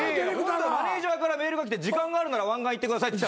マネジャーからメールが来て「時間があるなら湾岸行ってください」って。